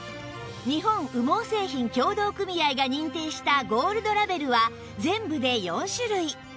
日本羽毛製品協同組合が認定したゴールドラベルは全部で４種類